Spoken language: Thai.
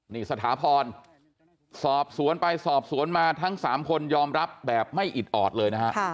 นี่สถาพรสอบสวนไปสอบสวนมาทั้ง๓คนยอมรับแบบไม่อิดออดเลยนะฮะ